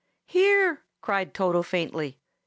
"Here!" cried Toto faintly.